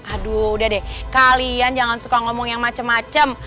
aduh udah deh kalian jangan suka ngomong yang macem macem